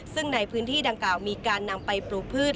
ซึ่งในพื้นที่ดังกล่าวมีการนำไปปลูกพืช